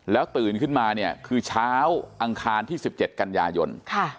แล้วตื่นขึ้นมาเนี่ยคือเช้าอังคารที่สิบเจ็ดกันยายนค่ะ